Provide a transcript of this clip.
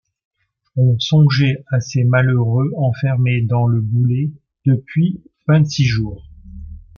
On songeait à ces malheureux enfermés dans le boulet depuis vingt-six jours!